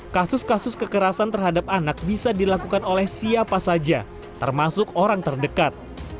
kasus kasus kekerasan terhadap anak bisa dilakukan oleh siapa saja termasuk orang terdekat